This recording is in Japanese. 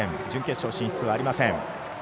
準決勝進出はありません。